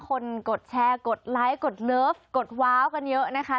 กดแชร์กดไลค์กดเลิฟกดว้าวกันเยอะนะคะ